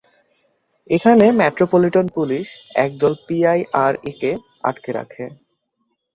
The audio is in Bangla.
এখানে মেট্রোপলিটন পুলিশ একদল পিআইআরএ-কে আটকে রাখে।